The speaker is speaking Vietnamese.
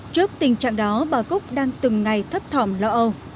trước tình trạng đó bà cúc đang từng ngày thấp thỏm lỡ